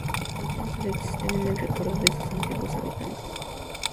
Hoy tan sólo existen en el recuerdo de sus antiguos habitantes.